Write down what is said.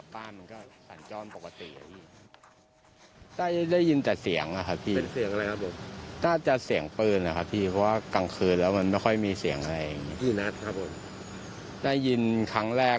ไปแค่แวบเดียวครับแล้วก็ได้ยินอีกทีนึง